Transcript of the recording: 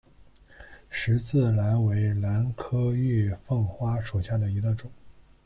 十字兰为兰科玉凤花属下的一个种。